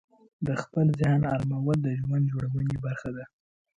خپل ذهن آرامول د ژوند جوړونې برخه ده.